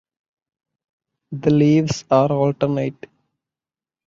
The leaves are alternate.